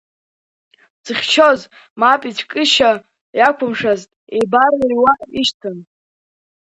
Дзыхьчоз мап ицәкышьа иақәымшәазт, еибарыҩуа ишьҭан.